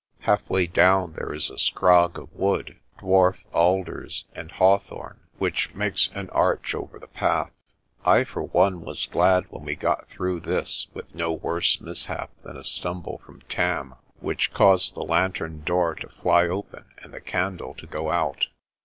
Half way down there is a scrog of wood, dwarf alders and hawthorn, which makes an arch over the path. I, for one, was glad when we got through this with no worse mishap than a stumble from Tam which caused the lantern door 16 PRESTER JOHN to fly open and the candle to go out.